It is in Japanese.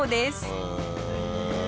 へえ。